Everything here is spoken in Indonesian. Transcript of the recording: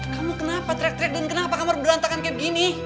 kamu kenapa trek trek dan kenapa kamar berantakan kayak begini